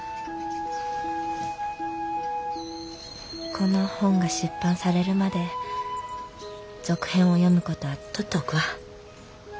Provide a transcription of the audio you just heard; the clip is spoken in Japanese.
この本が出版されるまで続編を読む事は取って置くわ。